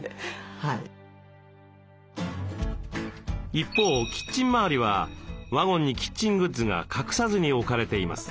一方キッチン周りはワゴンにキッチングッズが隠さずに置かれています。